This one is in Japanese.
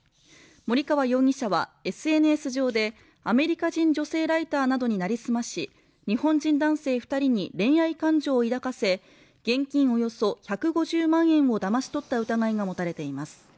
森川容疑者はＳＮＳ上でアメリカ人女性ライターなどに成り済まし日本人男性二人に恋愛感情を抱かせ現金およそ１５０万円をだまし取った疑いが持たれています